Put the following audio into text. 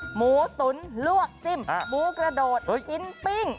หมูตุ๋นลวกจิ้มหมูกระโดดชิ้นปิ้ง